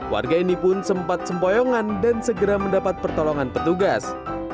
warga ini pun sempat sempoyongan dan segera mendapat pertolongan petugas